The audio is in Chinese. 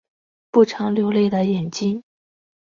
不常流泪的眼睛